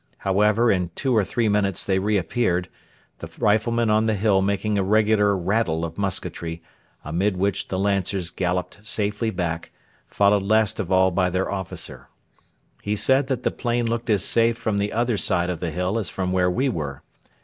However, in two or three minutes they re appeared, the riflemen on the hill making a regular rattle of musketry, amid which the Lancers galloped safely back, followed last of all by their officer. He said that the plain looked as safe from the other side of the hill as from where we were.